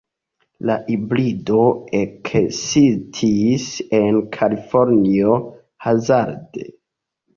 La hibrido ekestis en Kalifornio hazarde.